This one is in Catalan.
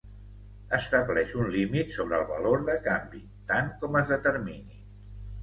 Estableix un límit sobre el valor de canvi, tant com es determini.